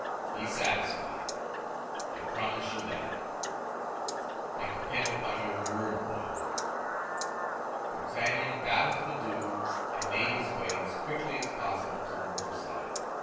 "Be satisfied; I promise you that." "I depend upon your word, my Lord." D'Artagnan bowed to the duke, and made his way as quickly as possible to the riverside.